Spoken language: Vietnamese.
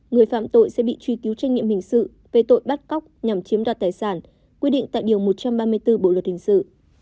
người phạm tội sẽ bị truy cứu trách nhiệm hình sự về tội bắt cóc nhằm chiếm đoạt tài sản quy định tại điều một trăm ba mươi bốn bộ luật hình sự